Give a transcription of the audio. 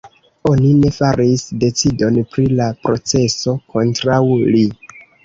Oni ne faris decidon pri la proceso kontraŭ li.